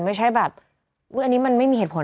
ไม่ใช่แบบอันนี้มันไม่มีเหตุผล